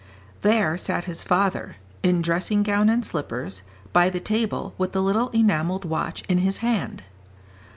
There sat his father, in dressing gown and slippers, by the table, with the little enamelled watch in his hand.